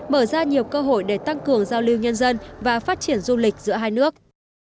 mở ra nhiều cơ hội để tăng cường giao lưu nhân dân và phát triển du lịch giữa hai nước